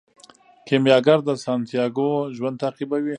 کیمیاګر د سانتیاګو ژوند تعقیبوي.